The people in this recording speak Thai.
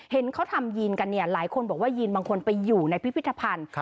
หลายคนบอกว่ายีนบางคนไปอยู่ในพิพิธภัณฑ์